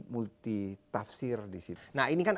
multi tafsir di sini nah ini kan